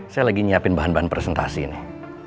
saya lagi nyiapin bahan bahan presentasi nih